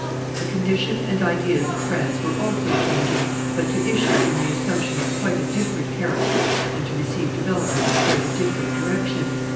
The condition and ideas of France were also changing, but to issue in the assumption of quite a different character and to receive development in quite a different direction.